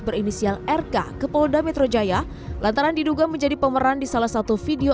berinisial rk ke polda metro jaya lantaran diduga menjadi pemeran di salah satu video